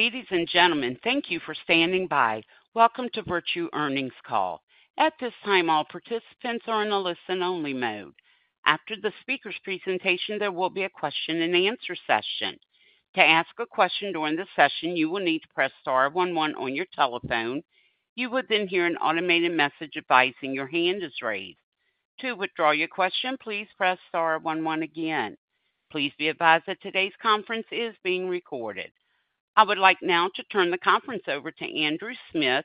Ladies and gentlemen, thank you for standing by. Welcome to Virtu Earnings Call. At this time, all participants are in a listen-only mode. After the speaker's presentation, there will be a question and answer session. To ask a question during the session, you will need to press star one one on your telephone. You would then hear an automated message advising your hand is raised. To withdraw your question, please press star one one again. Please be advised that today's conference is being recorded. I would like now to turn the conference over to Andrew Smith,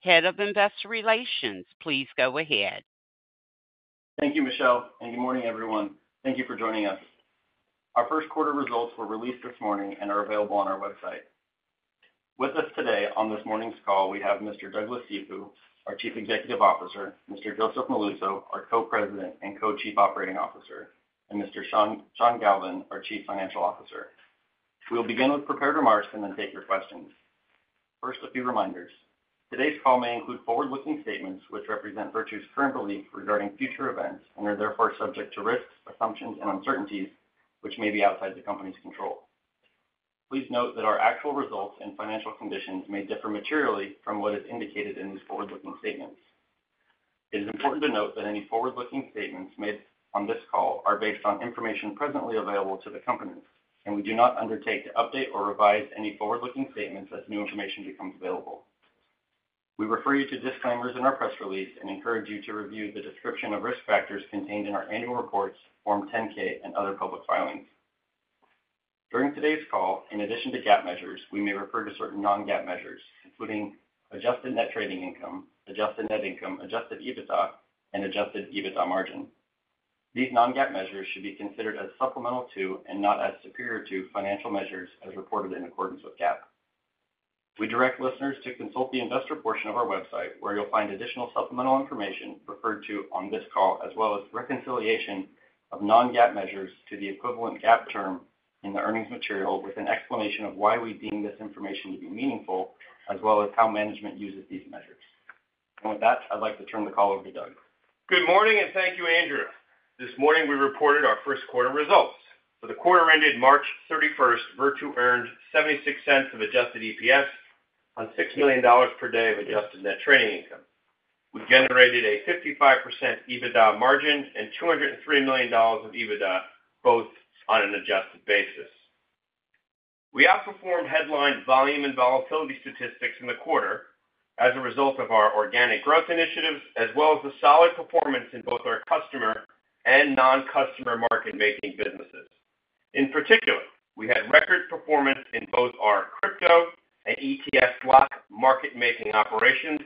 Head of Investor Relations. Please go ahead. Thank you, Michelle, and good morning, everyone. Thank you for joining us. Our Q1 results were released this morning and are available on our website. With us today on this morning's call, we have Mr. Douglas Cifu, our Chief Executive Officer, Mr. Joseph Molluso, our Co-president and Co-chief Operating Officer, and Mr. Sean Galvin, our Chief Financial Officer. We'll begin with prepared remarks and then take your questions. First, a few reminders. Today's call may include forward-looking statements, which represent Virtu's current belief regarding future events and are therefore subject to risks, assumptions, and uncertainties, which may be outside the company's control. Please note that our actual results and financial conditions may differ materially from what is indicated in these forward-looking statements. It is important to note that any forward-looking statements made on this call are based on information presently available to the company, and we do not undertake to update or revise any forward-looking statements as new information becomes available. We refer you to disclaimers in our press release and encourage you to review the description of risk factors contained in our annual reports, Form 10-K, and other public filings. During today's call, in addition to GAAP measures, we may refer to certain non-GAAP measures, including adjusted net trading income, adjusted net income, adjusted EBITDA, and adjusted EBITDA margin. These non-GAAP measures should be considered as supplemental to and not as superior to financial measures as reported in accordance with GAAP. We direct listeners to consult the investor portion of our website, where you'll find additional supplemental information referred to on this call, as well as reconciliation of non-GAAP measures to the equivalent GAAP term in the earnings material, with an explanation of why we deem this information to be meaningful, as well as how management uses these measures. With that, I'd like to turn the call over to Doug. Good morning, and thank you, Andrew. This morning, we reported our Q1 results. For the quarter ended 31 March, Virtu earned $0.76 of adjusted EPS on $6 million per day of adjusted net trading income. We generated a 55% EBITDA margin and $203 million of EBITDA, both on an adjusted basis. We outperformed headline volume and volatility statistics in the quarter as a result of our organic growth initiatives, as well as the solid performance in both our customer and non-customer market-making businesses. In particular, we had record performance in both our crypto and ETF block market-making operations,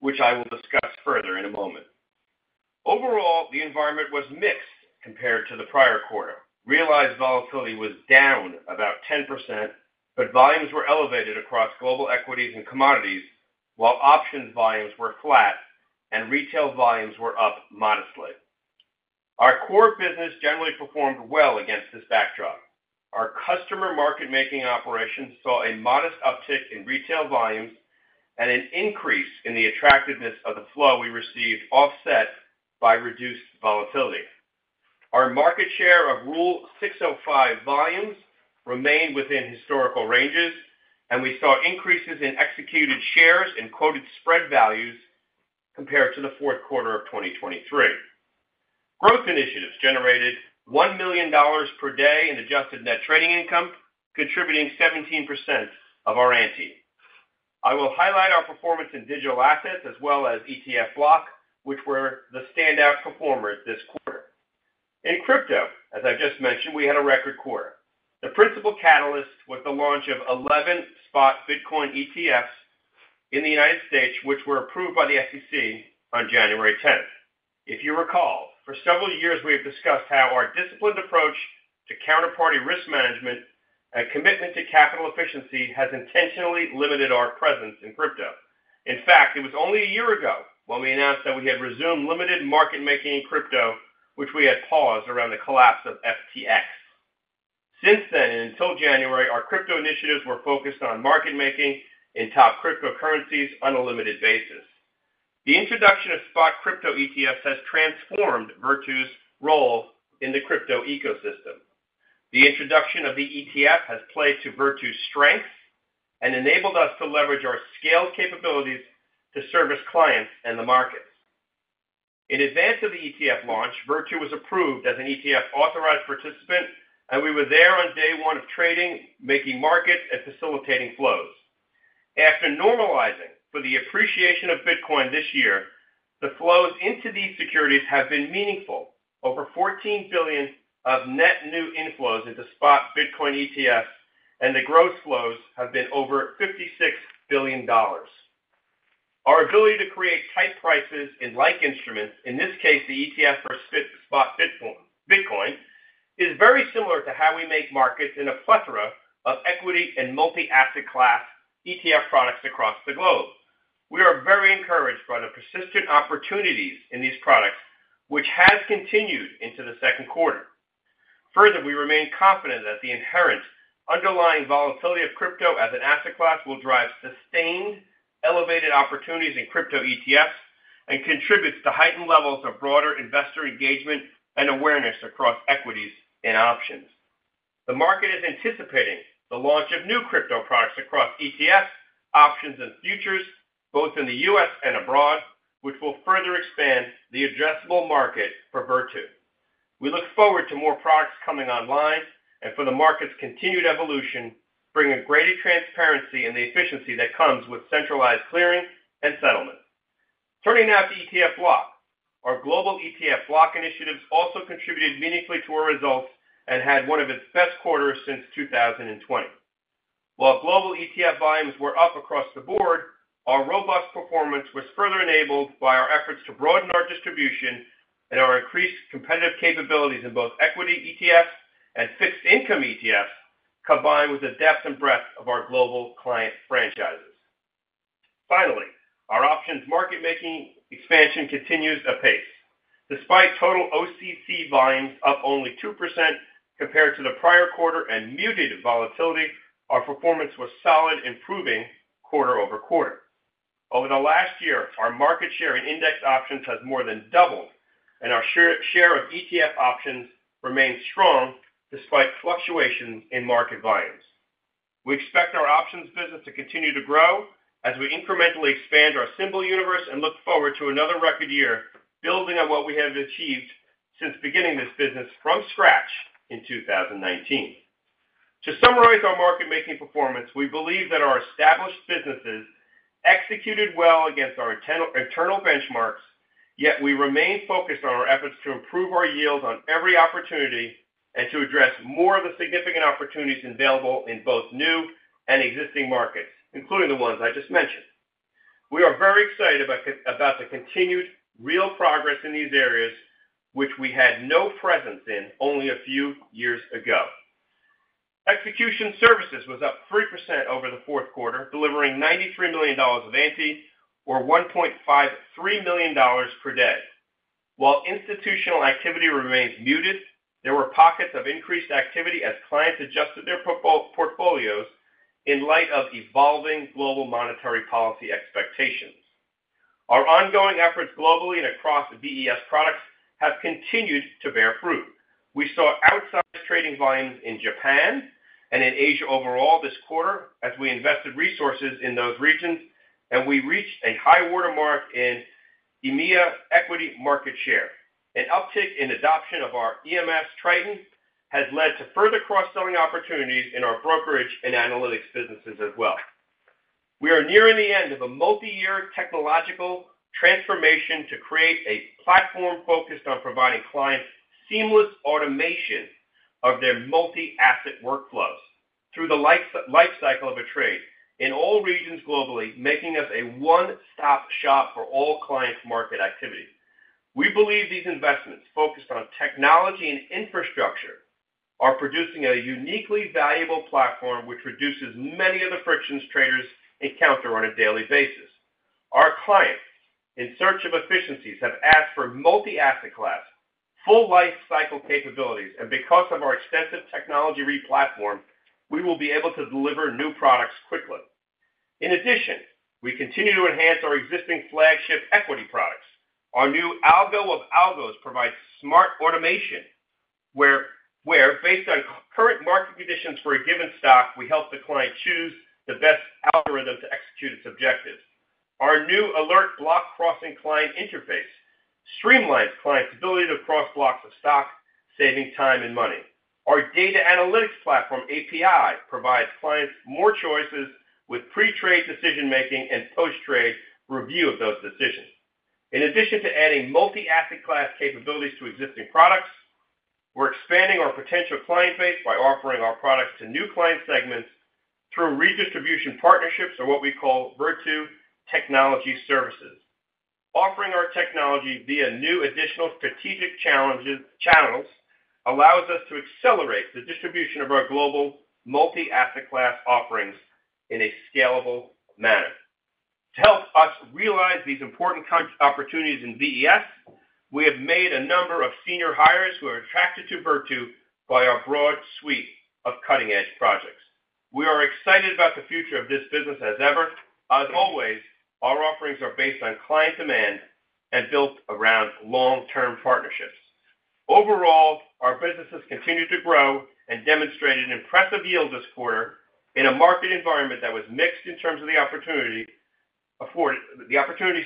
which I will discuss further in a moment. Overall, the environment was mixed compared to the prior quarter. Realized volatility was down about 10%, but volumes were elevated across global equities and commodities, while options volumes were flat and retail volumes were up modestly. Our core business generally performed well against this backdrop. Our customer market-making operations saw a modest uptick in retail volumes and an increase in the attractiveness of the flow we received, offset by reduced volatility. Our market share of Rule 605 volumes remained within historical ranges, and we saw increases in executed shares and quoted spread values compared to Q4 of 2023. Growth initiatives generated $1 million per day in adjusted net trading income, contributing 17% of our ANTI. I will highlight our performance in digital assets as well as ETF block, which were the standout performers this quarter. In crypto, as I've just mentioned, we had a record quarter. The principal catalyst was the launch of 11 spot Bitcoin ETFs in the US, which were approved by the SEC on 10 January. If you recall, for several years, we have discussed how our disciplined approach to counterparty risk management and commitment to capital efficiency has intentionally limited our presence in crypto. In fact, it was only a year ago when we announced that we had resumed limited market-making in crypto, which we had paused around the collapse of FTX. Since then, and until January, our crypto initiatives were focused on market-making in top cryptocurrencies on a limited basis. The introduction of spot crypto ETFs has transformed Virtu's role in the crypto ecosystem. The introduction of the ETF has played to Virtu's strengths and enabled us to leverage our scaled capabilities to service clients and the markets. In advance of the ETF launch, Virtu was approved as an ETF authorized participant, and we were there on day one of trading, making markets, and facilitating flows. After normalizing for the appreciation of Bitcoin this year, the flows into these securities have been meaningful. Over $14 billion of net new inflows into spot Bitcoin ETFs, and the gross flows have been over $56 billion. Our ability to create tight prices in like instruments, in this case, the ETF for spot Bitcoin, Bitcoin, is very similar to how we make markets in a plethora of equity and multi-asset class ETF products across the globe. We are very encouraged by the persistent opportunities in these products, which has continued into Q2. Further, we remain confident that the inherent underlying volatility of crypto as an asset class will drive sustained elevated opportunities in crypto ETFs. and contributes to heightened levels of broader investor engagement and awareness across equities and options. The market is anticipating the launch of new crypto products across ETFs, options, and futures, both in the US and abroad, which will further expand the addressable market for Virtu. We look forward to more products coming online and for the market's continued evolution, bringing greater transparency and the efficiency that comes with centralized clearing and settlement. Turning now to ETF block. Our global ETF block initiatives also contributed meaningfully to our results and had one of its best quarters since 2020. While global ETF volumes were up across the board, our robust performance was further enabled by our efforts to broaden our distribution and our increased competitive capabilities in both equity ETFs and fixed income ETFs, combined with the depth and breadth of our global client franchises. Finally, our options market making expansion continues apace. Despite total OCC volumes up only 2% compared to the prior quarter and muted volatility, our performance was solid, improving quarter-over-quarter. Over the last year, our market share in index options has more than doubled, and our share of ETF options remains strong despite fluctuations in market volumes. We expect our options business to continue to grow as we incrementally expand our symbol universe and look forward to another record year, building on what we have achieved since beginning this business from scratch in 2019. To summarize our market-making performance, we believe that our established businesses executed well against our internal benchmarks, yet we remain focused on our efforts to improve our yields on every opportunity and to address more of the significant opportunities available in both new and existing markets, including the ones I just mentioned. We are very excited about the continued real progress in these areas, which we had no presence in only a few years ago. Execution services was up 3% over Q4, delivering $93 million of ANTI, or $1.53 million per day. While institutional activity remains muted, there were pockets of increased activity as clients adjusted their portfolios in light of evolving global monetary policy expectations. Our ongoing efforts globally and across the VES products have continued to bear fruit. We saw outsized trading volumes in Japan and in Asia overall this quarter, as we invested resources in those regions, and we reached a high-water mark in EMEA equity market share. An uptick in adoption of our EMS Triton has led to further cross-selling opportunities in our brokerage and analytics businesses as well. We are nearing the end of a multi-year technological transformation to create a platform focused on providing clients seamless automation of their multi-asset workflows through the life cycle of a trade in all regions globally, making us a one-stop shop for all clients' market activity. We believe these investments, focused on technology and infrastructure, are producing a uniquely valuable platform, which reduces many of the frictions traders encounter on a daily basis. Our clients, in search of efficiencies, have asked for multi-asset class, full life cycle capabilities, and because of our extensive technology replatform, we will be able to deliver new products quickly. In addition, we continue to enhance our existing flagship equity products. Our new Algo of Algos provides smart automation, where based on current market conditions for a given stock, we help the client choose the best algorithm to execute its objectives. Our new Alert block crossing client interface streamlines clients' ability to cross blocks of stock, saving time and money. Our data analytics platform, TCA, provides clients more choices with pre-trade decision-making and post-trade review of those decisions. In addition to adding multi-asset class capabilities to existing products, we're expanding our potential client base by offering our products to new client segments through redistribution partnerships or what we call Virtu Technology Services. Offering our technology via new additional strategic channels allows us to accelerate the distribution of our global multi-asset class offerings in a scalable manner. To help us realize these important opportunities in VES, we have made a number of senior hires who are attracted to Virtu by our broad suite of cutting-edge projects. We are excited about the future of this business as ever. As always, our offerings are based on client demand and built around long-term partnerships. Overall, our businesses continued to grow and demonstrated an impressive yield this quarter in a market environment that was mixed in terms of the opportunity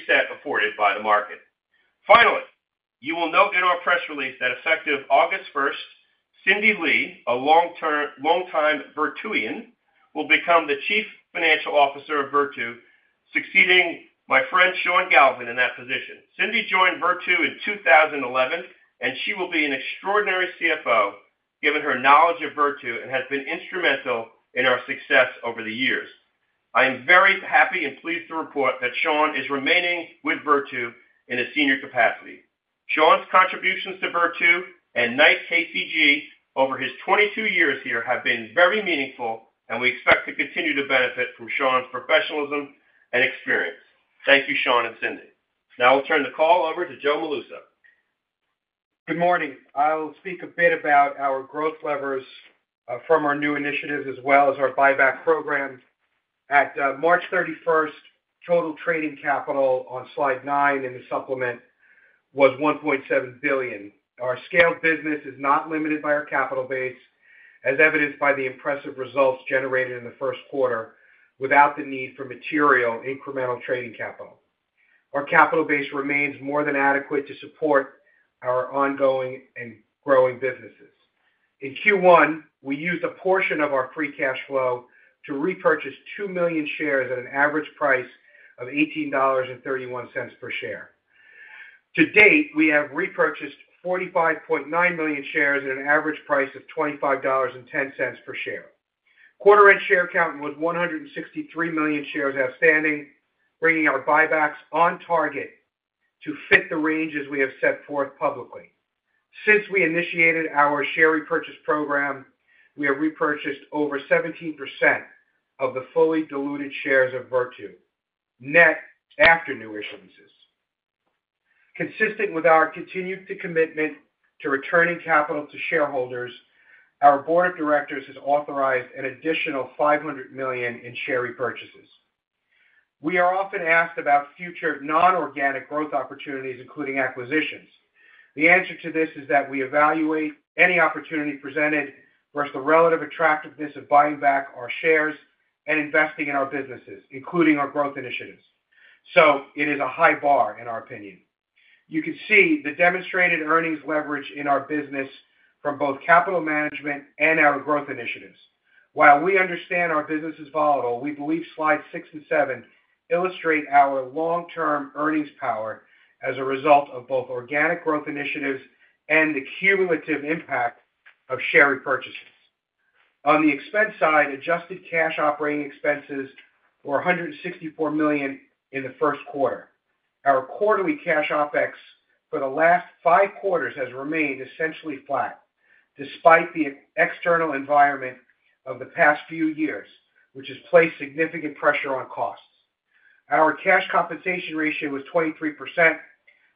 set afforded by the market. Finally, you will note in our press release that effective 1 August, Cindy Lee, a long-time Virtuvian, will become the Chief Financial Officer of Virtu, succeeding my friend Sean Galvin, in that position. Cindy joined Virtu in 2011, and she will be an extraordinary CFO, given her knowledge of Virtu, and has been instrumental in our success over the years. I am very happy and pleased to report that Sean is remaining with Virtu in a senior capacity. Sean's contributions to Virtu and Knight KCG over his 22 years here have been very meaningful, and we expect to continue to benefit from Sean's professionalism and experience. Thank you, Sean and Cindy. Now I'll turn the call over to Joe Molluso. Good morning. I will speak a bit about our growth levers from our new initiatives, as well as our buyback program. At 31 March, total trading capital on slide nine in the supplement was $1.7 billion. Our scaled business is not limited by our capital base, as evidenced by the impressive results generated in Q1 without the need for material incremental trading capital. Our capital base remains more than adequate to support our ongoing and growing businesses. In Q1, we used a portion of our free cash flow to repurchase two million shares at an average price of $18.31 per share. To date, we have repurchased 45.9 million shares at an average price of $25.10 per share. Quarter-end share count was 163 million shares outstanding, bringing our buybacks on target to fit the ranges we have set forth publicly. Since we initiated our share repurchase program, we have repurchased over 17% of the fully diluted shares of Virtu, net after new issuances. Consistent with our continued commitment to returning capital to shareholders, our board of directors has authorized an additional $500 million in share repurchases. We are often asked about future non-organic growth opportunities, including acquisitions. The answer to this is that we evaluate any opportunity presented versus the relative attractiveness of buying back our shares and investing in our businesses, including our growth initiatives. It is a high bar, in our opinion. You can see the demonstrated earnings leverage in our business from both capital management and our growth initiatives. While we understand our business is volatile, we believe slides six and seven illustrate our long-term earnings power as a result of both organic growth initiatives and the cumulative impact of share repurchases. On the expense side, adjusted cash operating expenses were $164 million in Q1. Our quarterly cash OpEx for the last five quarters has remained essentially flat, despite the external environment of the past few years, which has placed significant pressure on costs. Our cash compensation ratio was 23%,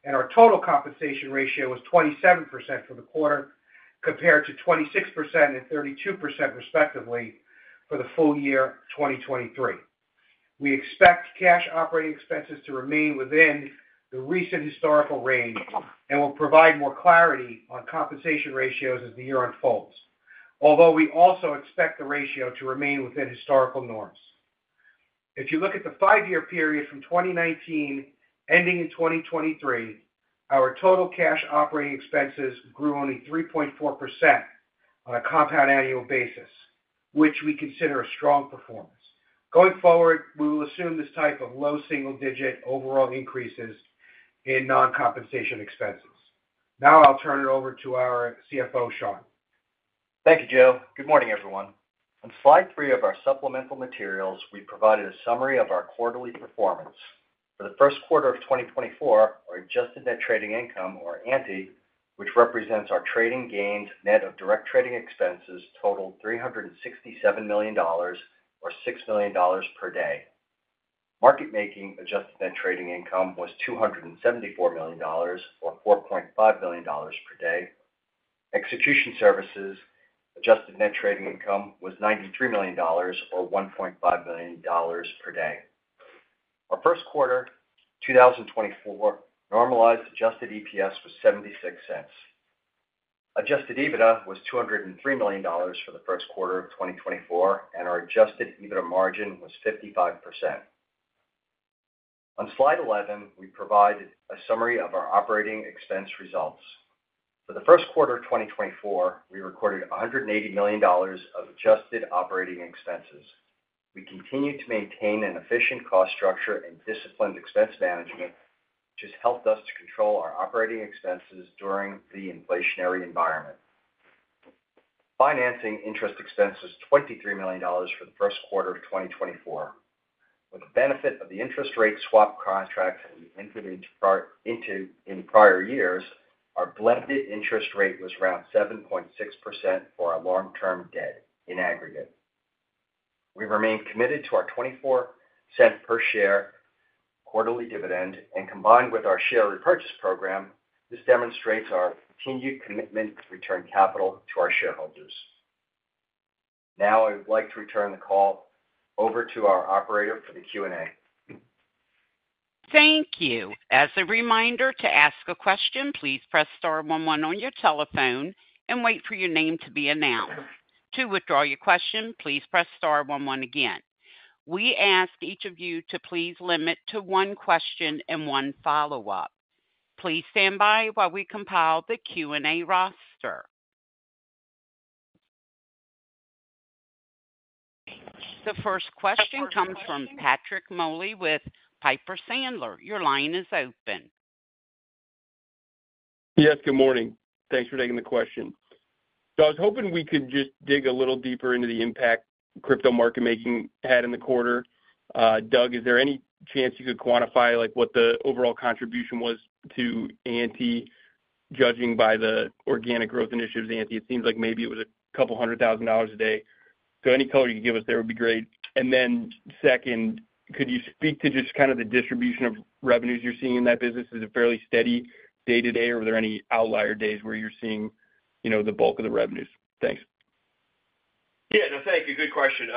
and our total compensation ratio was 27% for the quarter, compared to 26% and 32% respectively for the full year 2023. We expect cash operating expenses to remain within the recent historical range, and we'll provide more clarity on compensation ratios as the year unfolds. Although, we also expect the ratio to remain within historical norms. If you look at the five-year period from 2019, ending in 2023, our total cash operating expenses grew only 3.4% on a compound annual basis, which we consider a strong performance. Going forward, we will assume this type of low single-digit overall increases in non-compensation expenses. Now I'll turn it over to our CFO, Sean. Thank you, Joe. Good morning, everyone. On slide three of our supplemental materials, we provided a summary of our quarterly performance. For Q1 of 2024, our adjusted net trading income, or ANTI, which represents our trading gains net of direct trading expenses, totaled $367 million or $6 million per day. Market making adjusted net trading income was $274 million or $4.5 million per day. Execution services adjusted net trading income was $93 million or $1.5 million per day. Our Q1 2024 normalized adjusted EPS was $0.76. Adjusted EBITDA was $203 million for Q1 of 2024, and our adjusted EBITDA margin was 55%. On slide 11, we provided a summary of our operating expense results. For Q1 of 2024, we recorded $180 million of adjusted operating expenses. We continued to maintain an efficient cost structure and disciplined expense management, which has helped us to control our operating expenses during the inflationary environment. Financing interest expense was $23 million for Q1 of 2024. With the benefit of the interest rate swap contracts that we entered into in prior years, our blended interest rate was around 7.6% for our long-term debt in aggregate. We've remained committed to our $0.24 per share quarterly dividend, and combined with our share repurchase program, this demonstrates our continued commitment to return capital to our shareholders. Now, I'd like to return the call over to our operator for the Q&A. Thank you. As a reminder to ask a question, please press star one one on your telephone and wait for your name to be announced. To withdraw your question, please press star one one again. We ask each of you to please limit to one question and one follow up. Please stand by while we compile the Q&A roster. The first question comes from Patrick Moley with Piper Sandler. Your line is open. Yes, good morning. Thanks for taking the question. I was hoping we could just dig a little deeper into the impact crypto market making had in the quarter. Doug, is there any chance you could quantify, like, what the overall contribution was to ANTI, judging by the organic growth initiatives ANTI? It seems like maybe it was $200,000 a day. Any color you can give us there would be great. Second, could you speak to just kind of the distribution of revenues you're seeing in that business? Is it fairly steady day-to-day, or are there any outlier days where you're seeing, you know, the bulk of the revenues? Thanks. No, thank you. Good question.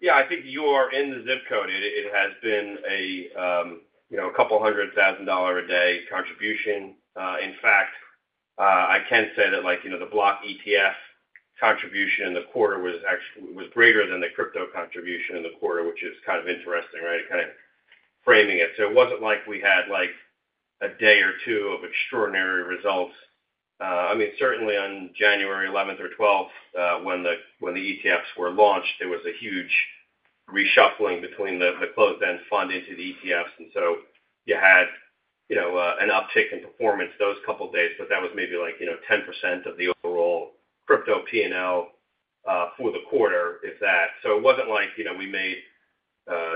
Yeah, I think you are in the zip code. It has been a, you know, $200,000 a day contribution. In fact, I can say that, like, you know, the block ETF contribution in the quarter was actually greater than the crypto contribution in the quarter, which is kind of interesting, right? Kind of framing it. It wasn't like we had, like, a day or two of extraordinary results. I mean, certainly on 11 or 12 January, when the ETFs were launched, there was a huge reshuffling between the closed-end fund into the ETFs, and so you had, you know, an uptick in performance those couple of days, but that was maybe like, you know, 10% of the overall crypto P&L for the quarter, if that. It wasn't like, you know, we made,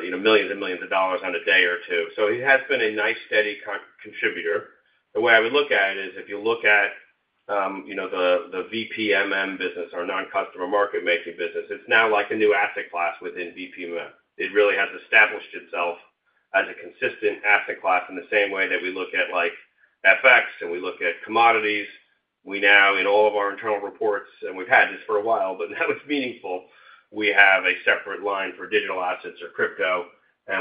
you know, $millions and millions on a day or two. It has been a nice, steady contributor. The way I would look at it is, if you look at, you know, the, the VPMM business, our non-customer market making business, it's now like a new asset class within VPMM. It really has established itself as a consistent asset class in the same way that we look at, like, FX, and we look at commodities. We now, in all of our internal reports, and we've had this for a while, but now it's meaningful, we have a separate line for digital assets or crypto.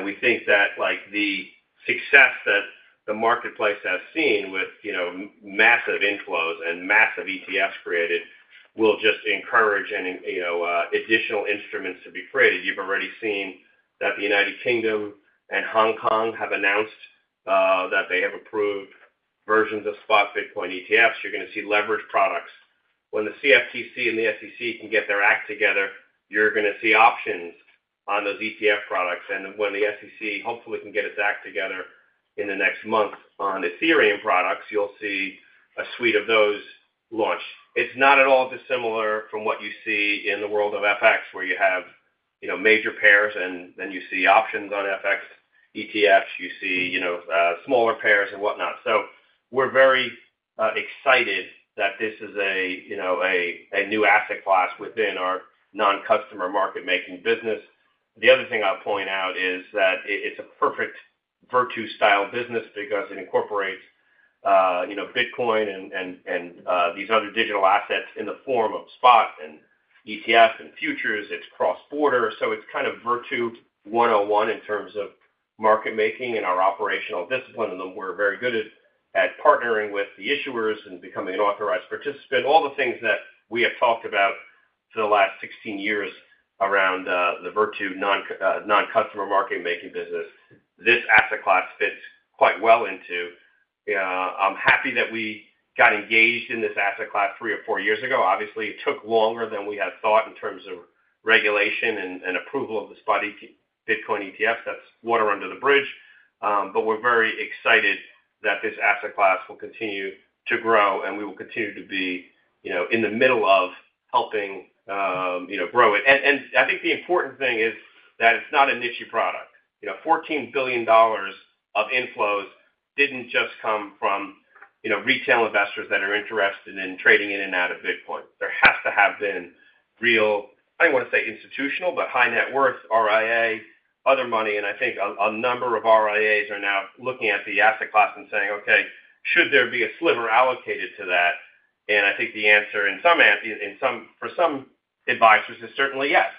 We think that, like, the success that the marketplace has seen with, you know, massive inflows and massive ETFs created, will just encourage any, you know, additional instruments to be created. You've already seen that the UK and Hong Kong have announced that they have approved versions of spot Bitcoin ETFs. You're going to see leverage products. When the CFTC and the SEC can get their act together, you're going to see options on those ETF products. When the SEC, hopefully, can get its act together in the next month on Ethereum products, you'll see a suite of those launch. It's not at all dissimilar from what you see in the world of FX, where you have, you know, major pairs, and then you see options on FX, ETFs, you see, you know, smaller pairs and whatnot. So we're very excited that this is a, you know, a new asset class within our non-customer market making business. The other thing I'll point out is that it, it's a perfect Virtu style business because it incorporates, you know, Bitcoin and these other digital assets in the form of spot and ETF and futures. It's cross-border, so it's kind of Virtu 101 in terms of market making and our operational discipline, and then we're very good at partnering with the issuers and becoming an authorized participant. All the things that we have talked about for the last 16 years around the Virtu non-customer market making business. This asset class fits quite well into. I'm happy that we got engaged in this asset class three or four years ago. Obviously, it took longer than we had thought in terms of regulation and approval of the spot Bitcoin ETF. That's water under the bridge. We're very excited that this asset class will continue to grow, and we will continue to be, you know, in the middle of helping, you know, grow it. And I think the important thing is that it's not a niche product. You know, $14 billion of inflows didn't just come from, you know, retail investors that are interested in trading in and out of Bitcoin. There has to have been real, I don't want to say institutional, but high net worth, RIAs, other money, and I think a number of RIAs are now looking at the asset class and saying, "Okay, should there be a sliver allocated to that?" I think the answer in some in some for some advisors is certainly yes.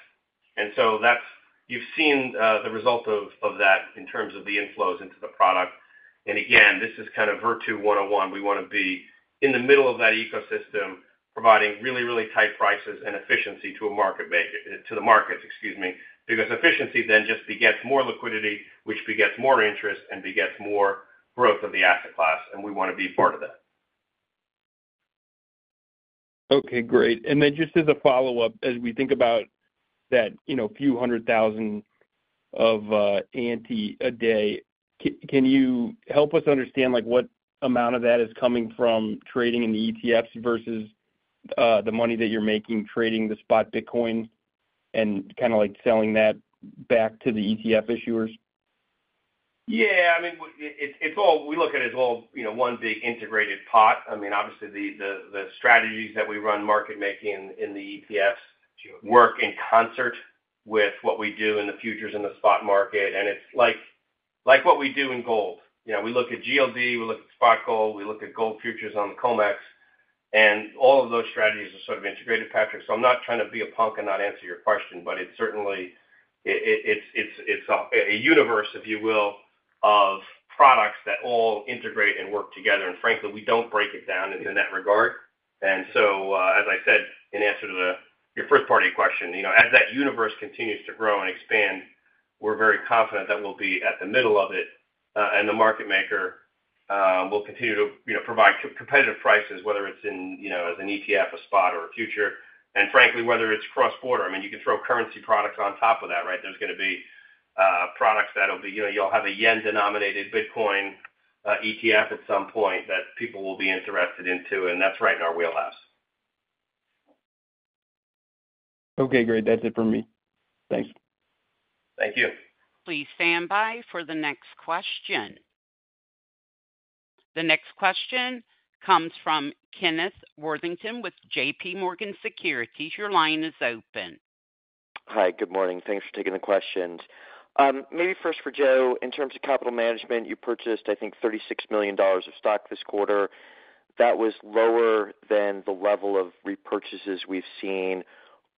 You've seen the result of that in terms of the inflows into the product. Again, this is kind of Virtu one-on-one. We want to be in the middle of that ecosystem, providing really, really tight prices and efficiency to a market maker, to the markets, excuse me, because efficiency then just begets more liquidity, which begets more interest and begets more growth of the asset class, and we want to be part of that. Okay, great. Then just as a follow-up, as we think about that, you know, a few hundred thousand of ANTI a day, can you help us understand, like, what amount of that is coming from trading in the ETFs versus the money that you're making trading the spot Bitcoin and kind of, like, selling that back to the ETF issuers? It's all... We look at it as all, you know, one big integrated pot. I mean, obviously, the strategies that we run market making in the ETFs work in concert with what we do in the futures and the spot market, and it's like what we do in gold. You know, we look at GLD, we look at spot gold, we look at gold futures on the COMEX, and all of those strategies are sort of integrated, Patrick. I'm not trying to be a punk and not answer your question, but it's certainly a universe, if you will, of products that all integrate and work together, and frankly, we don't break it down in that regard. As I said, in answer to the, your first part of your question, you know, as that universe continues to grow and expand, we're very confident that we'll be at the middle of it, and the market maker will continue to, you know, provide com- competitive prices, whether it's in, you know, as an ETF, a spot, or a future, and frankly, whether it's cross-border. Y You can throw currency products on top of that, right? There's going to be, products that'll be, you know, you'll have a yen-denominated Bitcoin, ETF at some point that people will be interested into, and that's right in our wheelhouse. Okay, great. That's it for me. Thanks. Thank you. Please stand by for the next question... The next question comes from Kenneth Worthington with JPMorgan Securities. Your line is open. Hey, good morning. Thanks for taking the questions. Maybe first for Joe, in terms of capital management, you purchased, I think, $36 million of stock this quarter. That was lower than the level of repurchases we've seen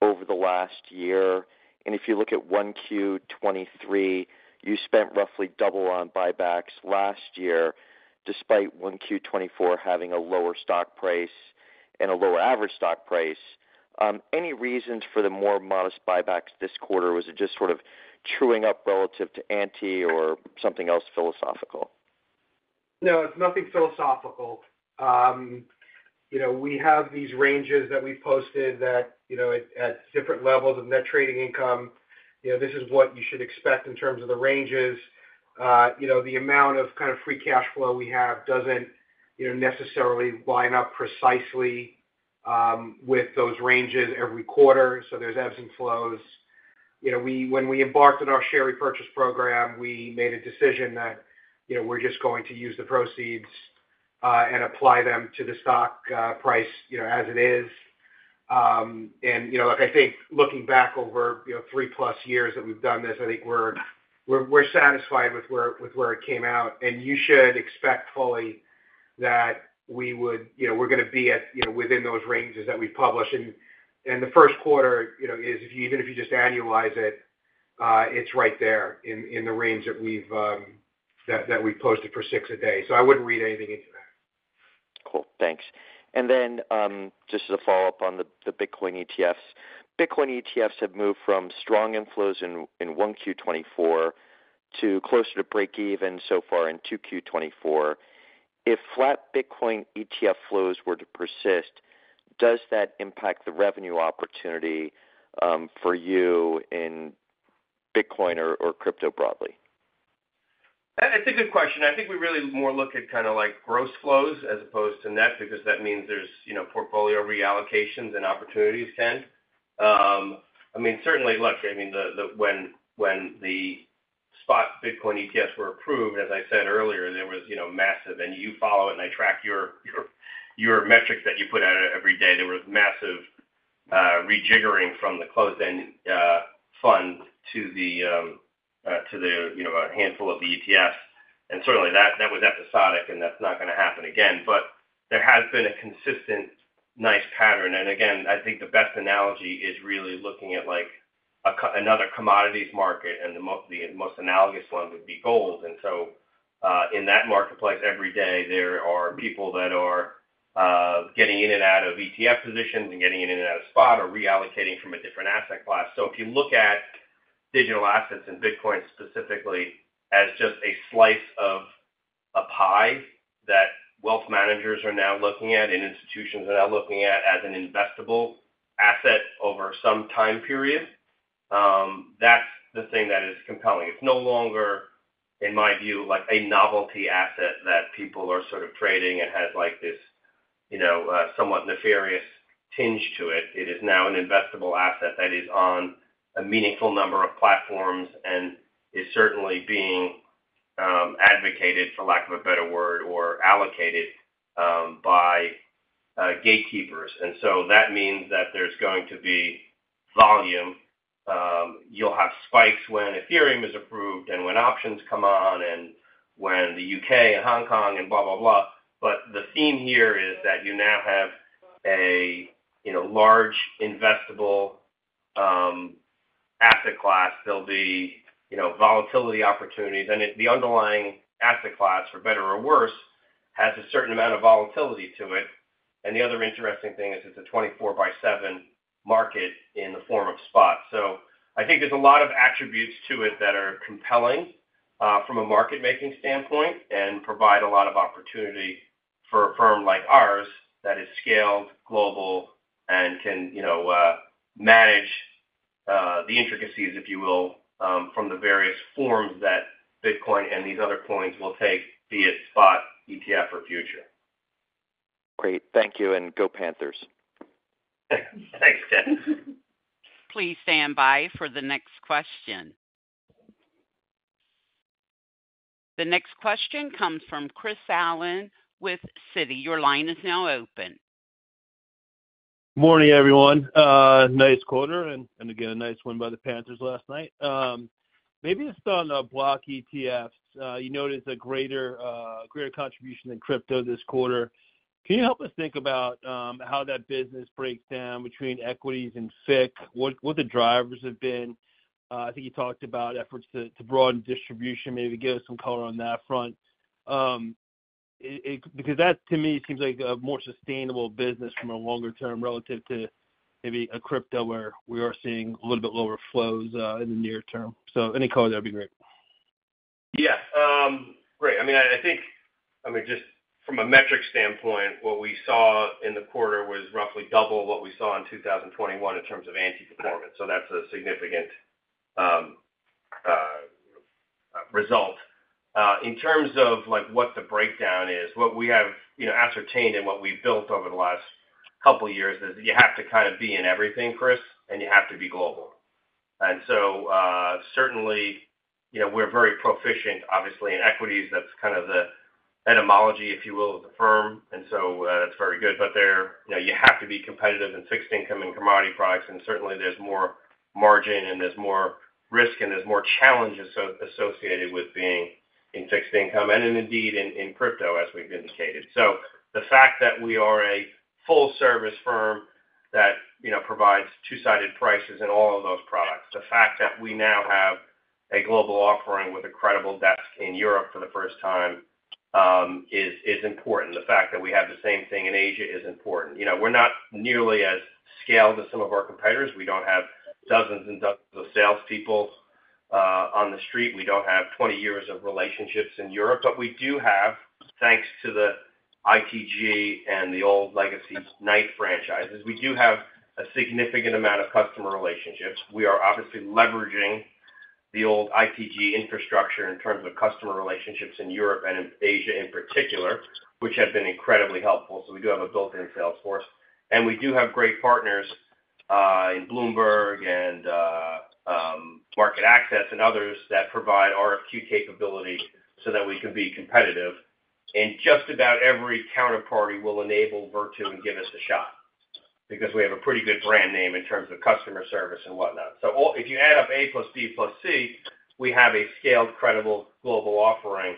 over the last year. If you look at Q1 2023, you spent roughly double on buybacks last year, despite Q1 2024 having a lower stock price and a lower average stock price. Any reasons for the more modest buybacks this quarter? Was it just sort of chewing up relative to ANTI or something else philosophical? No, it's nothing philosophical. You know, we have these ranges that we've posted that, you know, at different levels of net trading income. You know, this is what you should expect in terms of the ranges. You know, the amount of kind of free cash flow we have doesn't, you know, necessarily line up precisely with those ranges every quarter, so there's ebbs and flows. You know, when we embarked on our share repurchase program, we made a decision that, you know, we're just going to use the proceeds and apply them to the stock price, you know, as it is. You know, look, I think looking back over, you know, 3+ years that we've done this, I think we're satisfied with where it came out, and you should expect fully that we would. You know, we're gonna be at, you know, within those ranges that we publish. Q1, you know, is even if you just annualize it, it's right there in the range that we've posted for six-a-day. I wouldn't read anything into that. Cool, thanks. And then, just as a follow-up on the Bitcoin ETFs. Bitcoin ETFs have moved from strong inflows in Q1 2024 to closer to breakeven so far in Q2 2024. If flat Bitcoin ETF flows were to persist, does that impact the revenue opportunity for you in Bitcoin or crypto broadly? That's a good question. I think we really more look at kind of like gross flows as opposed to net, because that means there's, you know, portfolio reallocations and opportunities can. I mean, certainly, look, I mean, when the Spot Bitcoin ETFs were approved, as I said earlier, there was, you know, massive, and you follow it, and I track your, your, your metrics that you put out every day. There was massive rejiggering from the closed-end fund to the, you know, a handful of the ETFs. Certainly that, that was episodic, and that's not gonna happen again. But there has been a consistent, nice pattern. Again, I think the best analogy is really looking at, like, another commodities market, and the most analogous one would be gold. In that marketplace, every day, there are people that are getting in and out of ETF positions and getting in and out of spot or reallocating from a different asset class. If you look at digital assets and Bitcoin specifically as just a slice of a pie that wealth managers are now looking at and institutions are now looking at as an investable asset over some time period, that's the thing that is compelling. It's no longer, in my view, like a novelty asset that people are sort of trading. It has like this, you know, somewhat nefarious tinge to it. It is now an investable asset that is on a meaningful number of platforms and is certainly being advocated, for lack of a better word, or allocated by gatekeepers. That means that there's going to be volume. You'll have spikes when Ethereum is approved and when options come on and when the UK and Hong Kong and blah, blah, blah. But the theme here is that you now have a, you know, large investable, asset class. There'll be, you know, volatility opportunities, and it... The underlying asset class, for better or worse, has a certain amount of volatility to it. The other interesting thing is it's a 24/7 market in the form of spot. I think there's a lot of attributes to it that are compelling, from a market-making standpoint and provide a lot of opportunity for a firm like ours that is scaled, global, and can, you know, manage, the intricacies, if you will, from the various forms that Bitcoin and these other coins will take, be it spot, ETF, or future. Great. Thank you, and go Panthers. Thanks, Ken. Please stand by for the next question. The next question comes from Chris Allen with Citi. Your line is now open. Morning, everyone. Nice quarter, and again, a nice win by the Panthers last night. Maybe just on the block ETFs. You noticed a greater contribution in crypto this quarter. Can you help us think about how that business breaks down between equities and FIC? What the drivers have been? I think you talked about efforts to broaden distribution. Maybe give us some color on that front. Because that, to me, seems like a more sustainable business from a longer term relative to maybe a crypto, where we are seeing a little bit lower flows in the near term. Any color, that'd be great. Just from a metric standpoint, what we saw in the quarter was roughly double what we saw in 2021 in terms of ANTI performance, so that's a significant result. In terms of, like, what the breakdown is, what we have, you know, ascertained and what we've built over the last couple of years is you have to kind of be in everything, Chris, and you have to be global. Certainly, you know, we're very proficient, obviously, in equities. That's kind of the etymology, if you will, of the firm, and so, that's very good. You know, you have to be competitive in fixed income and commodity products, and certainly there's more margin, and there's more risk, and there's more challenges associated with being in fixed income, and then indeed in crypto, as we've indicated. The fact that we are a full-service firm that, you know, provides two-sided prices in all of those products, the fact that we now have a global offering with a credible desk in Europe for the first time is important. The fact that we have the same thing in Asia is important. You know, we're not nearly as scaled as some of our competitors. We don't have dozens and dozens of salespeople on the street. We don't have 20 years of relationships in Europe. We do have, thanks to the ITG and the old legacy Knight franchises, we do have a significant amount of customer relationships. We are obviously leveraging the old ITG infrastructure in terms of customer relationships in Europe and in Asia, in particular, which has been incredibly helpful. So we do have a built-in sales force. We do have great partners in Bloomberg and MarketAxess and others that provide RFQ capability so that we can be competitive. And just about every counterparty will enable Virtu and give us a shot because we have a pretty good brand name in terms of customer service and whatnot. If you add up A plus B plus C, we have a scaled, credible global offering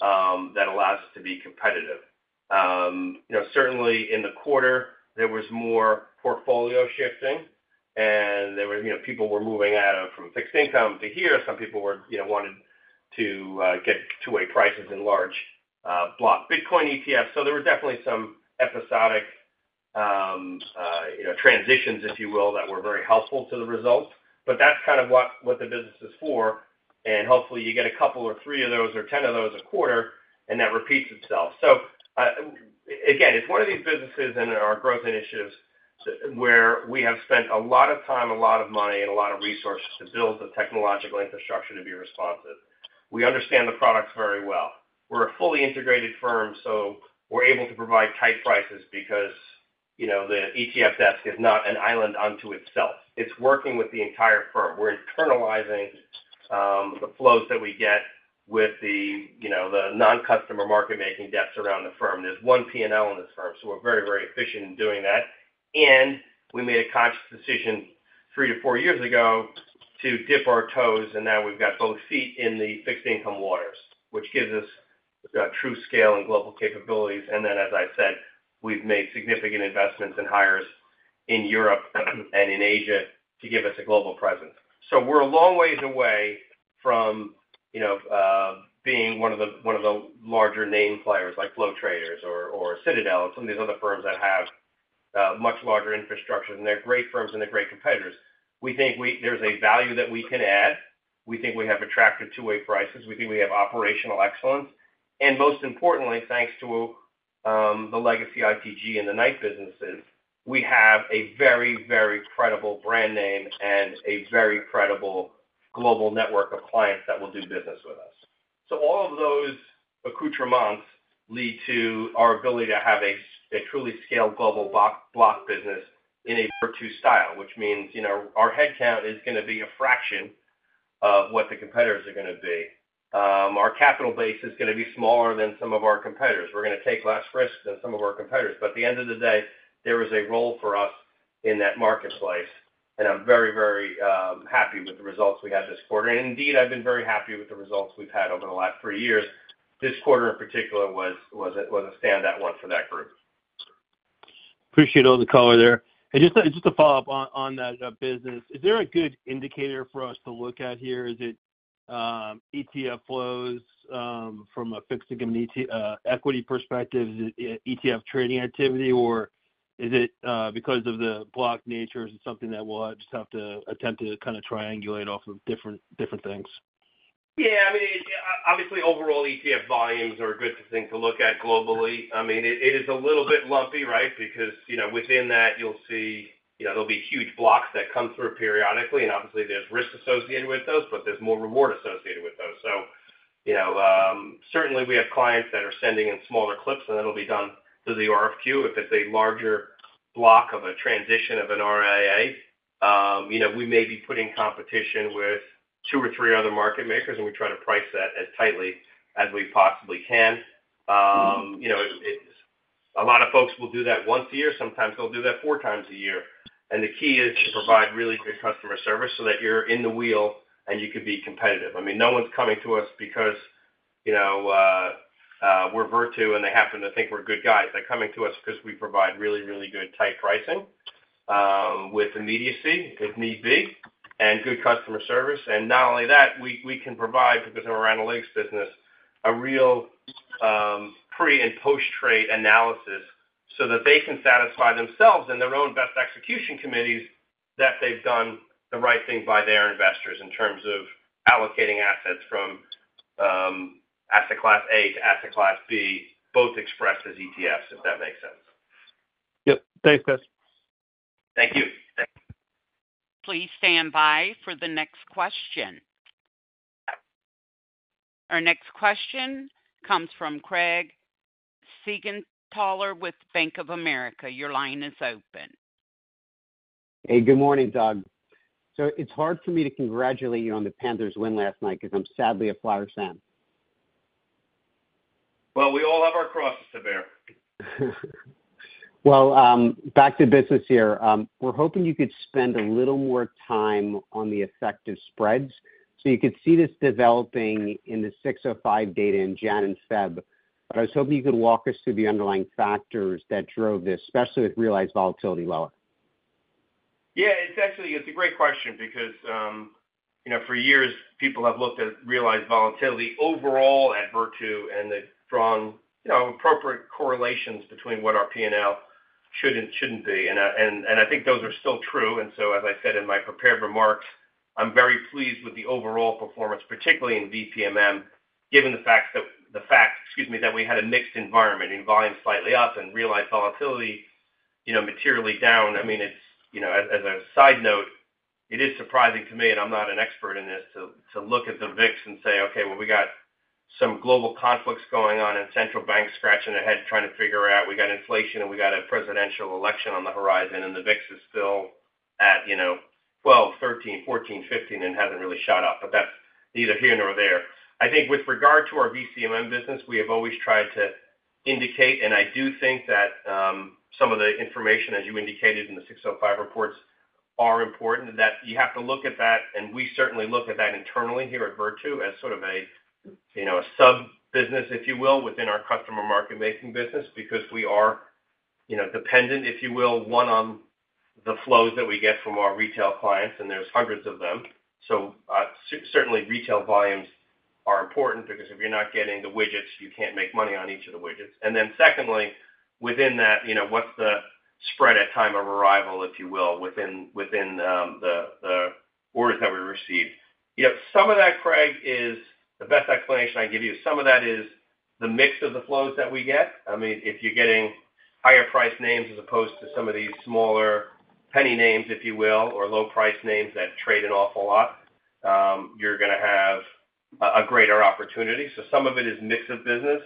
that allows us to be competitive. You know, certainly in the quarter, there was more portfolio shifting, and there were, you know, people were moving out of from fixed income to here. Some people were, you know, wanted to get two-way prices in large block Bitcoin ETFs. There were definitely some episodic, you know, transitions, if you will, that were very helpful to the results. That's kind of what the business is for, and hopefully, you get a couple or three of those or 10 of those a quarter, and that repeats itself. Again, it's one of these businesses and our growth initiatives where we have spent a lot of time, a lot of money, and a lot of resources to build the technological infrastructure to be responsive. We understand the products very well. We're a fully integrated firm, so we're able to provide tight prices because, you know, the ETF desk is not an island unto itself. It's working with the entire firm. We're internalizing the flows that we get with the, you know, the non-customer market-making desks around the firm. There's one P&L in this firm, so we're very, very efficient in doing that. We made a conscious decision three to four years ago to dip our toes, and now we've got both feet in the fixed income waters, which gives us true scale and global capabilities. As I said, we've made significant investments and hires in Europe and in Asia to give us a global presence. We're a long ways away from, you know, being one of the larger name players, like Flow Traders or Citadel and some of these other firms that have much larger infrastructure. They're great firms, and they're great competitors. We think there's a value that we can add. We think we have attractive two-way prices. We think we have operational excellence. Most importantly, thanks to the legacy ITG and the Knight businesses, we have a very, very credible brand name and a very credible global network of clients that will do business with us. All of those accoutrements lead to our ability to have a truly scaled global block business in a Virtu style, which means, you know, our headcount is going to be a fraction of what the competitors are going to be. Our capital base is going to be smaller than some of our competitors. We're going to take less risks than some of our competitors. At the end of the day, there is a role for us in that marketplace, and I'm very, very, happy with the results we had this quarter. Indeed, I've been very happy with the results we've had over the last three years. This quarter, in particular, was a standout one for that group. Appreciate all the color there. Just a follow-up on that business. Is there a good indicator for us to look at here? Is it ETF flows from a fixed income ETF equity perspective? Is it ETF trading activity, or is it because of the block nature, something that we'll just have to attempt to kind of triangulate off of different things? Overall, ETF volumes are a good thing to look at globally. I mean, it is a little bit lumpy, right? Because, you know, within that, you'll see. You know, there'll be huge blocks that come through periodically, and obviously there's risk associated with those, but there's more reward associated with those. You know, certainly, we have clients that are sending in smaller clips, and that'll be done through the RFQ. If it's a larger block of a transition of an RIA, you know, we may be put in competition with two or three other market makers, and we try to price that as tightly as we possibly can. You know, a lot of folks will do that once a year, sometimes they'll do that four times a year. The key is to provide really great customer service so that you're in the wheel, and you can be competitive. I mean, no one's coming to us because, you know, we're Virtu, and they happen to think we're good guys. They're coming to us because we provide really, really good, tight pricing, with immediacy, if need be, and good customer service. Not only that, we, we can provide, because of our analytics business, a real, pre- and post-trade analysis so that they can satisfy themselves and their own best execution committees that they've done the right thing by their investors in terms of allocating assets from, asset class A to asset class B, both expressed as ETFs, if that makes sense. Thanks, Chris. Thank you. Thank you. Please stand by for the next question. Our next question comes from Craig Siegenthaler with Bank of America. Your line is open. Hey, good morning, Doug. It's hard for me to congratulate you on the Panthers win last night because I'm sadly a Flyers fan. Well, we all have our crosses to bear. Well, back to business here. We're hoping you could spend a little more time on the effect of spreads. You could see this developing in the 605 data in January and February, but I was hoping you could walk us through the underlying factors that drove this, especially with realized volatility lower. It's actually, it's a great question because, you know, for years, people have looked at realized volatility overall at Virtu, and they've drawn, you know, appropriate correlations between what our P&L should and shouldn't be. I think those are still true, and so as I said in my prepared remarks, I'm very pleased with the overall performance, particularly in VPMM, given the fact that. The fact, excuse me, that we had a mixed environment in volume slightly up and realized volatility, you know, materially down. It's, you know, as a side note, it is surprising to me, and I'm not an expert in this, to look at the VIX and say, "Okay, well, we got some global conflicts going on and central banks scratching their heads, trying to figure out. We got inflation, and we got a presidential election on the horizon, and the VIX is still at, you know, 12, 13, 14, 15, and hasn't really shot up."But that's neither here nor there. I think with regard to our VCMM business, we have always tried to indicate, and I do think that some of the information, as you indicated in the 605 reports, are important, and that you have to look at that, and we certainly look at that internally here at Virtu as sort of a, you know, a sub-business, if you will, within our customer market making business, because we are, you know, dependent, if you will, one, on the flows that we get from our retail clients, and there's hundreds of them. Certainly, retail volumes are important because if you're not getting the widgets, you can't make money on each of the widgets. Secondly, within that, you know, what's the spread at time of arrival, if you will, within the orders that we received? You know, some of that, Craig, is the best explanation I can give you. Some of that is the mix of the flows that we get. I mean, if you're getting higher priced names as opposed to some of these smaller penny names, if you will, or low-priced names that trade an awful lot, you're gonna have a greater opportunity. Some of it is mix of business,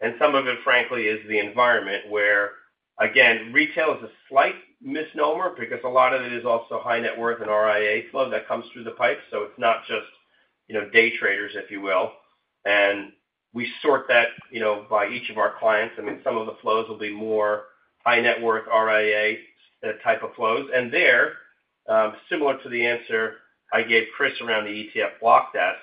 and some of it, frankly, is the environment, where, again, retail is a slight misnomer because a lot of it is also high net worth and RIA flow that comes through the pipes, so it's not just, you know, day traders, if you will. And we sort that, you know, by each of our clients. I mean, some of the flows will be more high net worth RIA type of flows. There, similar to the answer I gave Chris around the ETF block desk,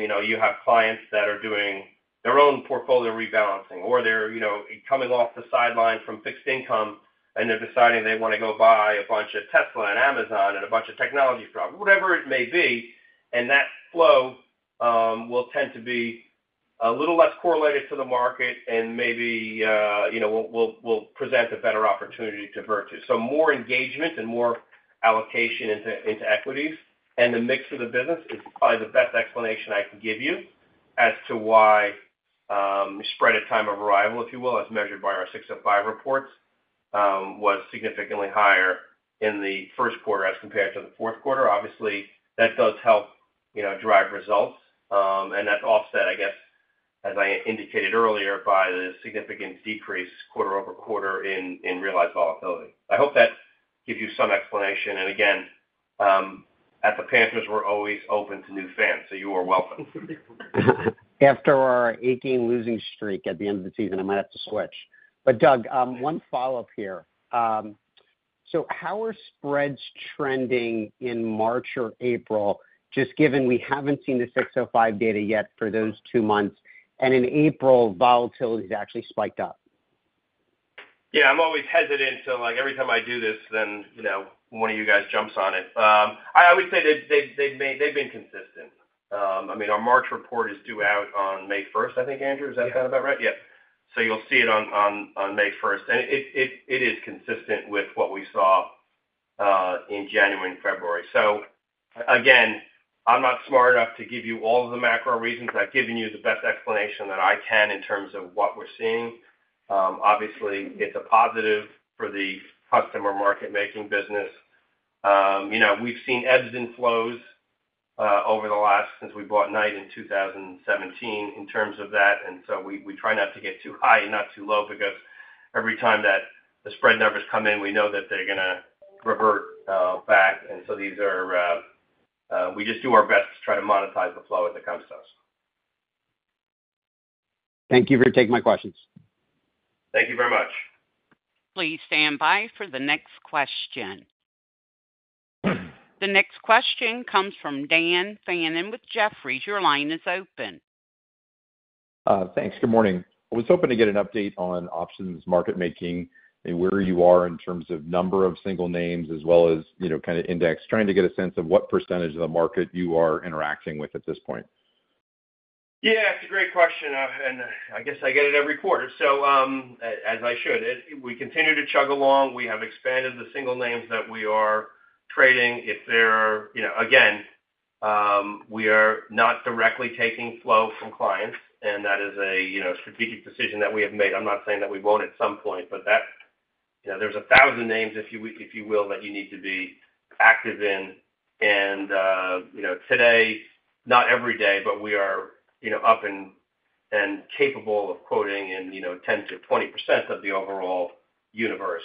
you know, you have clients that are doing their own portfolio rebalancing, or they're, you know, coming off the sidelines from fixed income, and they're deciding they want to go buy a bunch of Tesla and Amazon and a bunch of technology products, whatever it may be. That flow will tend to be a little less correlated to the market and maybe, you know, will present a better opportunity to Virtu. More engagement and more allocation into equities and the mix of the business is probably the best explanation I can give you as to why Spread at Time of Arrival, if you will, as measured by our 605 reports, was significantly higher in Q1 as compared to Q4. That does help, you know, drive results. That's offset, I guess, as I indicated earlier, by the significant decrease quarter-over-quarter in realized volatility. I hope that gives you some explanation. And again, at the Panthers, we're always open to new fans, so you are welcome. After our eight-game losing streak at the end of the season, I might have to switch. Doug, one follow-up here. So how are spreads trending in March or April, just given we haven't seen the 605 data yet for those two months, and in April, volatility has actually spiked up? I'm always hesitant to, like, every time I do this, then, you know, one of you guys jumps on it. I would say they've been consistent. Our March report is due out on 1 May, I think, Andrew, is that about right? Yeah. You'll see it on 1 May, and it is consistent with what we saw in January and February. Again, I'm not smart enough to give you all of the macro reasons. I've given you the best explanation that I can in terms of what we're seeing. Obviously, it's a positive for the customer market making business. You know, we've seen ebbs and flows over the last since we bought Knight in 2017 in terms of that, and so we try not to get too high and not too low because every time that the spread numbers come in, we know that they're gonna revert back. These are we just do our best to try to monetize the flow as it comes to us. Thank you for taking my questions. Thank you very much. Please stand by for the next question. The next question comes from Dan Fannon with Jefferies. Your line is open. Thanks. Good morning. I was hoping to get an update on options market making and where you are in terms of number of single names as well as, you know, kind of index, trying to get a sense of what percentage of the market you are interacting with at this point. It's a great question, and I guess I get it every quarter, so, as I should. We continue to chug along. We have expanded the single names that we are trading. If there are, you know. Again, we are not directly taking flow from clients, and that is a, you know, strategic decision that we have made. I'm not saying that we won't at some point, but you know, there's 1,000 names, if you, if you will, that you need to be active in. You know, today, not every day, but we are, you know, up and capable of quoting in, you know, 10% to 20% of the overall universe.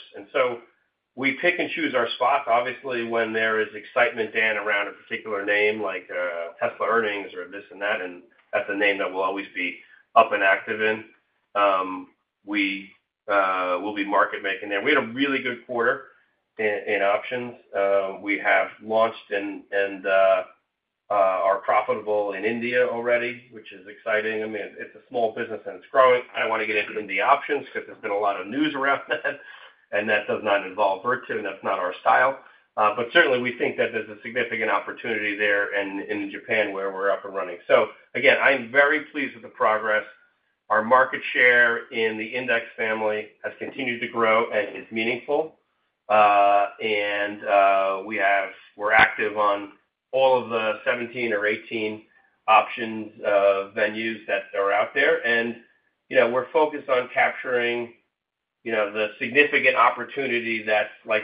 We pick and choose our spots. Obviously, when there is excitement, Dan, around a particular name like, Tesla earnings or this and that, and that's a name that we'll always be up and active in. We, we'll be market making there. We had a really good quarter in options. We have launched and, and, are profitable in India already, which is exciting. I mean, it's a small business, and it's growing. I don't want to get into India options because there's been a lot of news around that, and that does not involve Virtu, and that's not our style. Certainly we think that there's a significant opportunity there in Japan, where we're up and running. Again, I am very pleased with the progress. Our market share in the index family has continued to grow and is meaningful. We have, we're active on all of the 17 or 18 options venues that are out there. You know, we're focused on capturing, you know, the significant opportunity that's, like,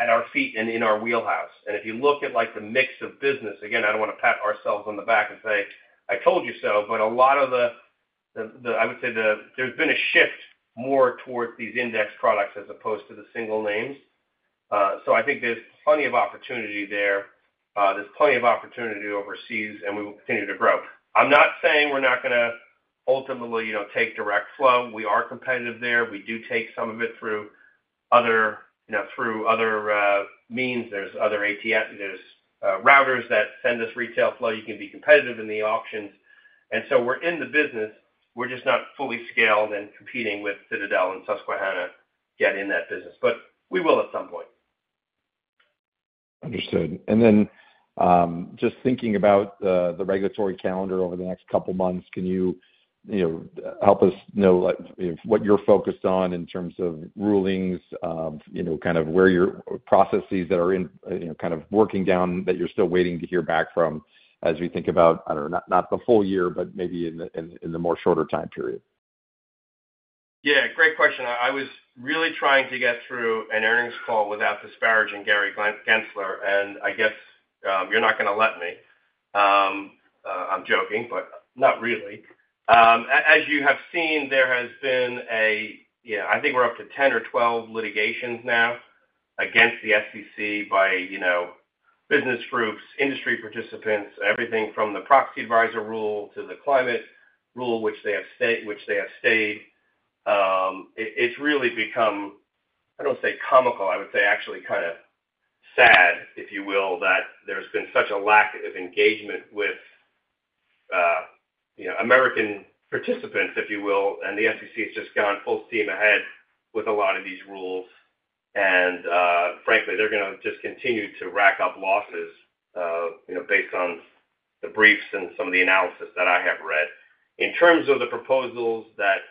at our feet and in our wheelhouse. If you look at, like, the mix of business, again, I don't want to pat ourselves on the back and say, "I told you so," but a lot of the I would say there's been a shift more towards these index products as opposed to the single names. I think there's plenty of opportunity there. There's plenty of opportunity overseas, and we will continue to grow. I'm not saying we're not going to ultimately, you know, take direct flow. We are competitive there. We do take some of it through other, you know, through other means. There's other ATS. There's routers that send us retail flow. You can be competitive in the options, and so we're in the business. We're just not fully scaled and competing with Citadel and Susquehanna yet in that business, but we will at some point. Understood. Just thinking about the regulatory calendar over the next couple of months, can you, you know, help us know, like, if what you're focused on in terms of rulings, you know, kind of where your processes that are in, you know, kind of working down, that you're still waiting to hear back from as we think about, I don't know, not the full year, but maybe in the more shorter time period? Great question. I was really trying to get through an earnings call without disparaging Gary Gensler, and I guess you're not going to let me. I'm joking, but not really. As you have seen, I think we're up to 10 or 12 litigations now against the SEC by, you know, business groups, industry participants, everything from the proxy advisor rule to the climate rule, which they have stayed. It's really become, I don't want to say comical, I would say actually kind of sad, if you will, that there's been such a lack of engagement with, you know, American participants, if you will, and the SEC has just gone full steam ahead with a lot of these rules. Frankly, they're going to just continue to rack up losses, you know, based on the briefs and some of the analysis that I have read. In terms of the proposals that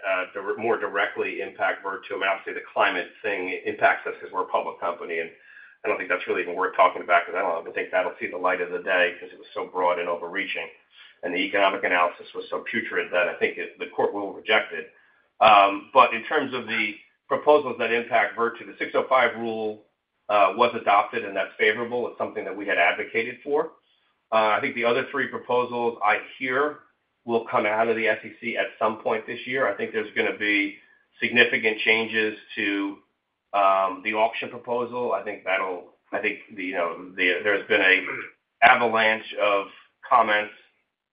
more directly impact Virtu, and obviously, the climate thing impacts us because we're a public company, and I don't think that's really even worth talking about because I don't think that'll see the light of the day because it was so broad and overreaching, and the economic analysis was so putrid that I think the court will reject it. In terms of the proposals that impact Virtu, Rule 605 was adopted, and that's favorable. It's something that we had advocated for. I think the other three proposals I hear will come out of the SEC at some point this year. I think there's going to be significant changes to the auction proposal. I think that'll, you know, there's been an avalanche of comments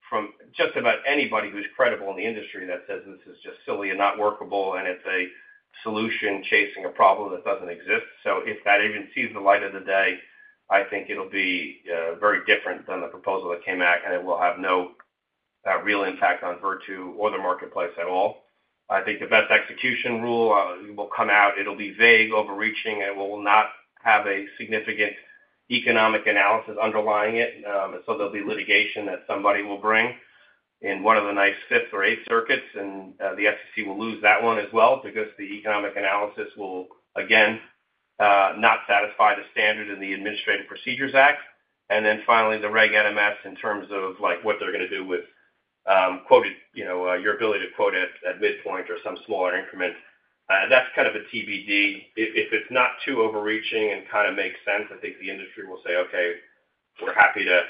from just about anybody who's credible in the industry that says this is just silly and not workable, and it's a solution chasing a problem that doesn't exist. If that even sees the light of the day, I think it'll be very different than the proposal that came out, and it will have no real impact on Virtu or the marketplace at all. I think the best execution rule will come out. It'll be vague, overreaching, and will not have a significant economic analysis underlying it. There'll be litigation that somebody will bring in one of the Ninth, Fifth or Eighth Circuits, and the SEC will lose that one as well because the economic analysis will, again, not satisfy the standard in the Administrative Procedure Act. Finally, the Reg NMS, in terms of, like, what they're going to do with quoted, you know, your ability to quote at midpoint or some smaller increment. That's kind of a TBD. If it's not too overreaching and kind of makes sense, I think the industry will say, "Okay, we're happy to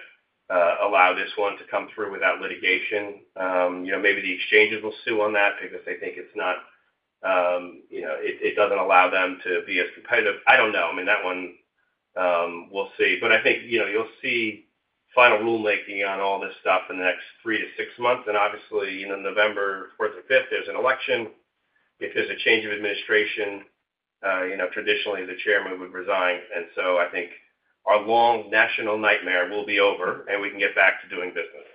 allow this one to come through without litigation." You know, maybe the exchanges will sue on that because they think it's not, you know, it doesn't allow them to be as competitive. I don't know. I mean, that one, we'll see. I think, you know, you'll see final rulemaking on all this stuff in the next three to six months. You know, four or five November, there's an election. If there's a change of administration, you know, traditionally the chairman would resign. I think our long national nightmare will be over, and we can get back to doing business.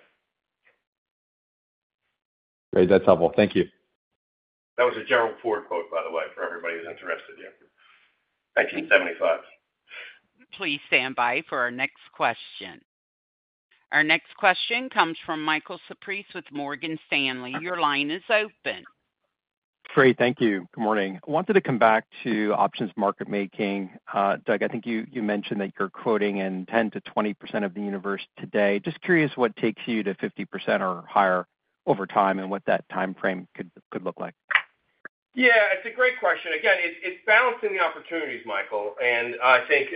Great. That's helpful. Thank you. That was a Gerald Ford quote, by the way, for everybody who's interested here. 1975. Please stand by for our next question. Our next question comes from Michael Cyprys with Morgan Stanley. Your line is open. Great. Thank you. Good morning. I wanted to come back to options market making. Doug, I think you mentioned that you're quoting in 10% to 20% of the universe today. Just curious, what takes you to 50% or higher over time and what that timeframe could look like? It's a great question. Again, it's, it's balancing the opportunities, Michael. I think,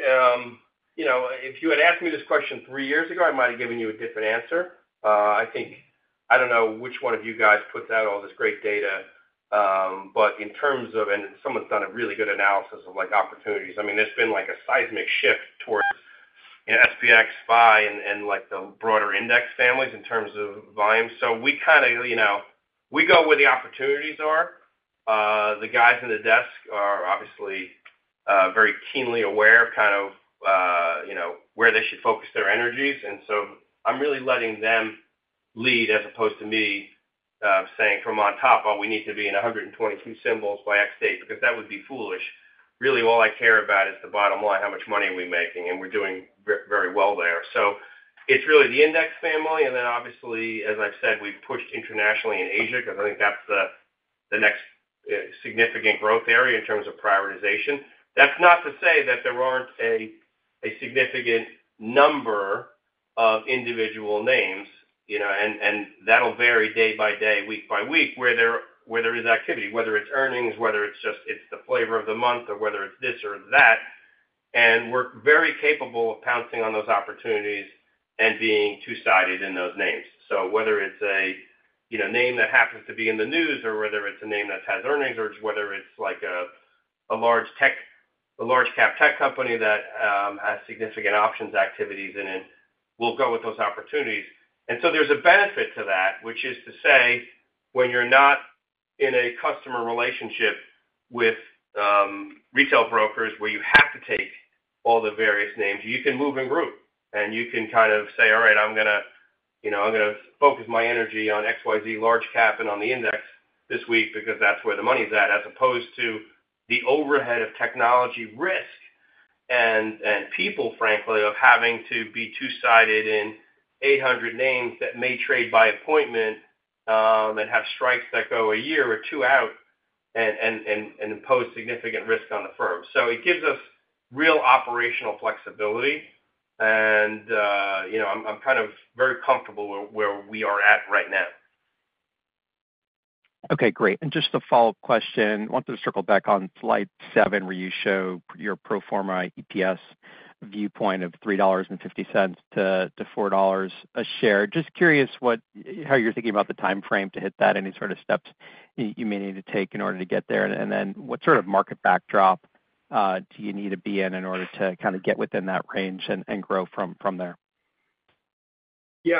you know, if you had asked me this question three years ago, I might have given you a different answer. I think. I don't know which one of you guys puts out all this great data, but in terms of and someone's done a really good analysis of, like, opportunities. There's been, like, a seismic shift towards, you know, SPX, SPY, and, and like the broader index families in terms of volume. We kind of, you know, we go where the opportunities are. The guys in the desk are obviously, very keenly aware of kind of, you know, where they should focus their energies. I'm really letting them lead, as opposed to me, saying from on top, "Oh, we need to be in 122 symbols by X date," because that would be foolish. Really, all I care about is the bottom line, how much money are we making, and we're doing very well there. It's really the index family, and then obviously, as I've said, we've pushed internationally in Asia because I think that's the next significant growth area in terms of prioritization. That's not to say that there aren't a significant number of individual names, you know, and that'll vary day by day, week by week, where there is activity, whether it's earnings, whether it's just, it's the flavor of the month or whether it's this or that. We're very capable of pouncing on those opportunities and being two-sided in those names. Whether it's a you know name that happens to be in the news, or whether it's a name that has earnings, or whether it's like a large cap tech company that has significant options activities in it, we'll go with those opportunities. There's a benefit to that, which is to say, when you're not in a customer relationship with retail brokers, where you have to take all the various names, you can move and groove. You can kind of say, "All right, I'm going to, you know, I'm going to focus my energy on XYZ large cap and on the index this week because that's where the money is at," as opposed to the overhead of technology risk and, and people, frankly, of having to be two-sided in 800 names that may trade by appointment, and have strikes that go a year or two out and impose significant risk on the firm. It gives us real operational flexibility, and you know, I'm kind of very comfortable where we are at right now. Okay, great. And just a follow-up question. I wanted to circle back on slide seven, where you show your pro forma EPS viewpoint of $3.50 to 4 a share. Just curious how you're thinking about the time frame to hit that, any sort of steps you may need to take in order to get there. What sort of market backdrop do you need to be in in order to kind of get within that range and grow from there?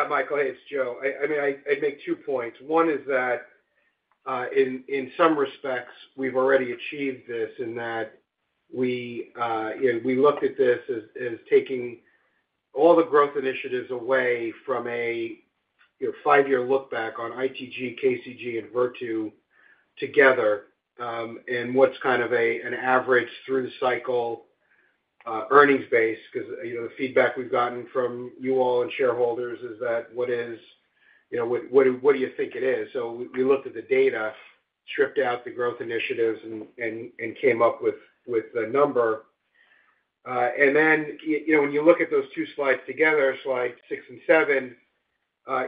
Michael, it's Joe. I'd make two points. One is that in some respects, we've already achieved this in that we, you know, we looked at this as taking all the growth initiatives away from a five-year look back on ITG, KCG, and Virtu together, and what's kind of an average through the cycle earnings base, because, you know, the feedback we've gotten from you all and shareholders is that what is, you know, what, what do you think it is? We looked at the data, stripped out the growth initiatives and came up with a number. You know, when you look at those two slides together, slides six and seven,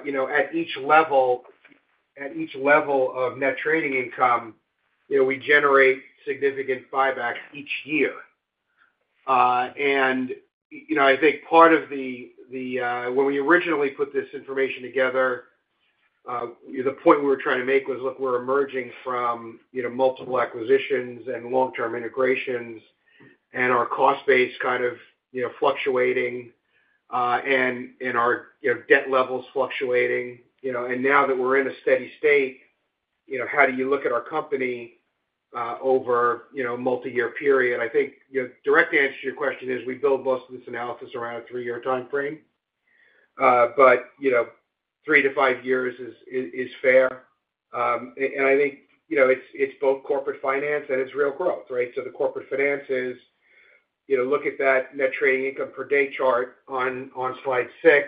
you know, at each level, at each level of net trading income, you know, we generate significant buybacks each year. When we originally put this information together, the point we were trying to make was, look, we're emerging from, you know, multiple acquisitions and long-term integrations, and our cost base kind of, you know, fluctuating, and, and our, you know, debt levels fluctuating. You know, and now that we're in a steady state, you know, how do you look at our company, over, you know, a multi-year period? I think, you know, the direct answer to your question is, we build most of this analysis around a three-year time frame. You know, three to five years is fair. I think, you know, it's both corporate finance and it's real growth, right? The corporate finance is, you know, look at that net trading income per day chart on slide six.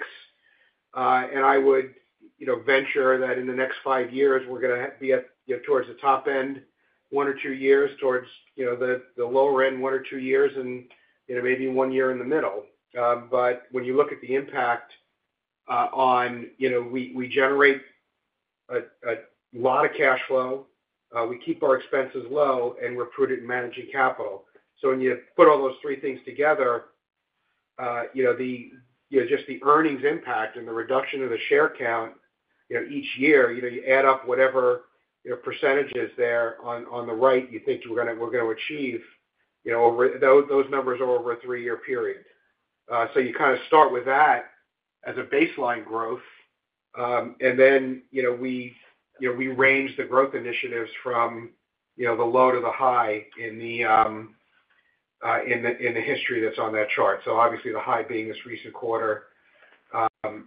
I would, you know, venture that in the next five years, we're going to be at, you know, towards the top end, one or two years towards, you know, the lower end, one or two years, and, you know, maybe one year in the middle. But when you look at the impact on. You know, we generate a lot of cash flow, we keep our expenses low, and we're prudent in managing capital. When you put all those three things together, you know, the you know, just the earnings impact and the reduction of the share count, you know, each year, you know, you add up whatever, you know, percentage is there on the right, you think we're gonna, we're gonna achieve, you know, over those, those numbers are over a three-year period. You kind of start with that as a baseline growth. You know, we, you know, we range the growth initiatives from, you know, the low to the high in the, in the history that's on that chart. The high being this recent quarter,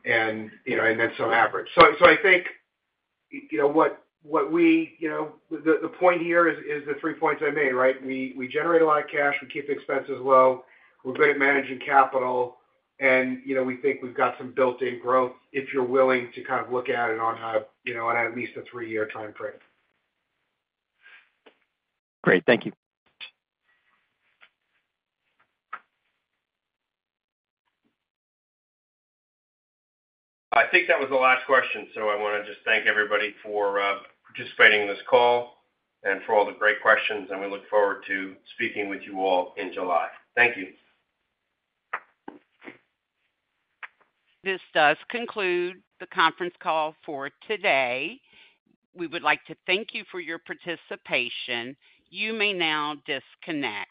and, you know, and then some average. I think, you know, what we, you know. The point here is the three points I made, right? We generate a lot of cash, we keep the expenses low, we're good at managing capital, and, you know, we think we've got some built-in growth if you're willing to kind of look at it on a, you know, on at least a three-year time frame. Great. Thank you. I think that was the last question, so I want to just thank everybody for participating in this call and for all the great questions, and we look forward to speaking with you all in July. Thank you. This does conclude the conference call for today. We would like to thank you for your participation. You may now disconnect.